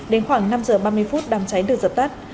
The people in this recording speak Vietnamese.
đến khoảng năm giờ ba mươi phút đám cháy được dập tắt